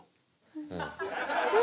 うん。